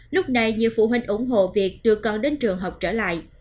lúc này nhiều phụ huynh ủng hộ việc đưa con đến trường học trở lại